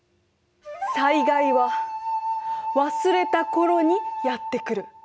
「災害は忘れた頃にやってくる」